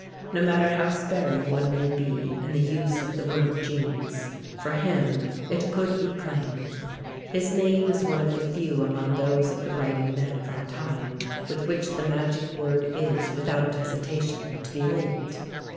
No matter how sparing one may be in the use of the word genius, for him it could be claimed. His name is one of the few among those of the writing men of our time with which the magic word is, without hesitation, to be linked.